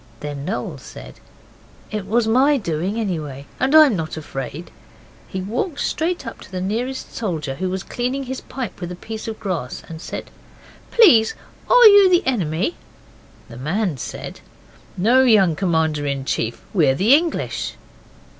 Then Noel said, 'It was my doing anyhow, and I'm not afraid,' and he walked straight up to the nearest soldier, who was cleaning his pipe with a piece of grass, and said 'Please, are you the enemy?' The man said 'No, young Commander in Chief, we're the English.